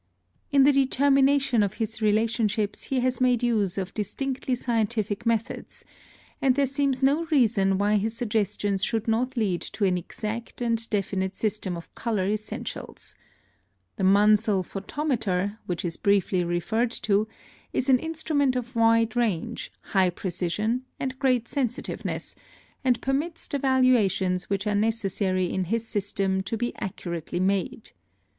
In the determination of his relationships he has made use of distinctly scientific methods, and there seems no reason why his suggestions should not lead to an exact and definite system of color essentials. The Munsell photometer, which is briefly referred to, is an instrument of wide range, high precision, and great sensitiveness, and permits the valuations which are necessary in his system to be accurately made.